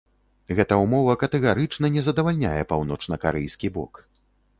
Гэта ўмова катэгарычна не задавальняе паўночнакарэйскі бок.